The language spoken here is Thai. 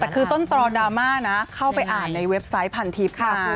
แต่คือต้นตรอดราม่านะเข้าไปอ่านในเว็บไซต์พันทิพย์ค่ะ